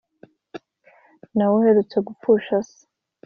nawe uherutse gupfusha se!